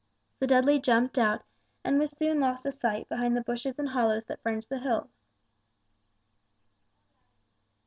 So Dudley jumped out and was soon lost to sight behind the bushes and hollows that fringed the hills.